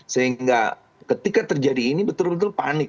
sehingga ketika terjadi ini betul betul panik